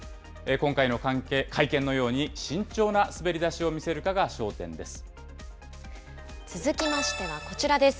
今回の会見のように慎重な滑り出続きましてはこちらです。